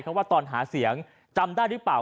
เพราะว่าตอนหาเสียงจำได้หรือเปล่า